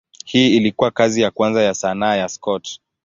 Hii ilikuwa kazi ya kwanza ya sanaa ya Scott.